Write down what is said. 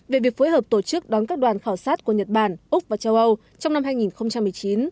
về việc phối hợp tổ chức đón các đoàn khảo sát của nhật bản úc và châu âu trong năm hai nghìn một mươi chín